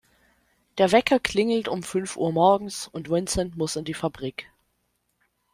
Der Wecker klingelt um fünf Uhr morgens und Vincent muss in die Fabrik.